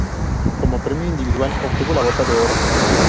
Como premio individual obtuvo la Bota de Oro.